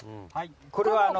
これは首。